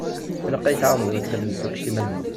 Ilaq ad yi-tɛawneḍ i wakken ad d-nessukkes iman-nneɣ.